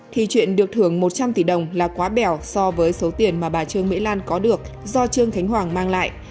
thì chuyện được thưởng một trăm linh tỷ đồng là quá bẻo so với số tiền mà bà trương mỹ lan có được do trương khánh hoàng mang lại